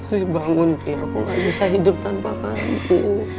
ri bangun ri aku gak bisa hidup tanpa kamu